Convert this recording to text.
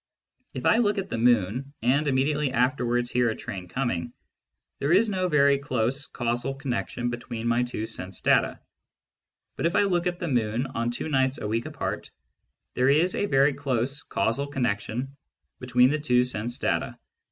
If 1 look at the moon and immediately afterwards hear a Digitized by Google 82 SCIENTIFIC METHOD IN PHILOSOPHY train coming, there is no very close causal connection between my two sense data ; but if I look at the moon on two nights a week apart, there is a very close causal connection between the two sense data.